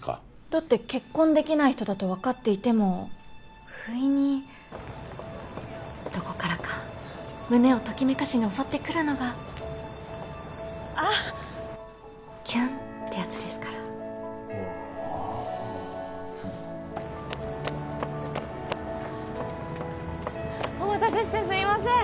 だって結婚できない人だと分かっていてもふいにどこからか胸をときめかしに襲ってくるのがあっキュンってやつですからああお待たせしてすいません